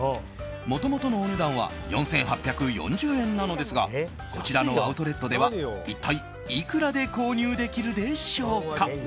もともとのお値段は４８４０円なのですがこちらのアウトレットでは一体いくらで購入できるでしょうか。